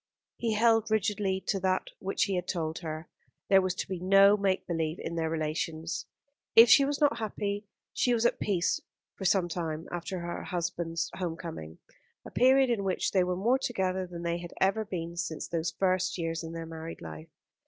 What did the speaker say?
He held rigidly to that which he had told her. There was to be no make believe in their relations. If she was not happy, she was at peace for some time after her husband's home coming a period in which they were more together than they had ever been since those first years of their married life.